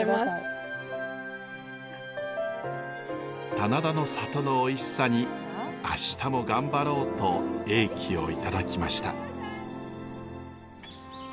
棚田の里のおいしさに明日も頑張ろうと英気をいただきました。